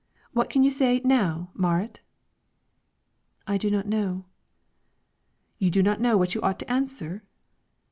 What can you say, now, Marit?" "I do not know." "You do not know what you ought to answer?"